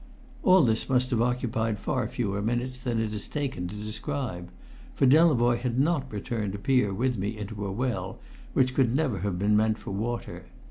All this must have occupied far fewer minutes than it has taken to describe; for Delavoye had not returned to peer with me into a well which could never have been meant for water.